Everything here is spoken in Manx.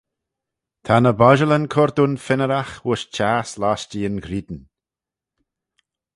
Ta ny bodjalyn cur dooin fynneraght voish chiass loshtee yn ghrian.